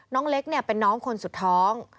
น้องเล็กเนี่ยเป็นน้องคนสุดท้อง